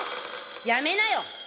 やめなよ！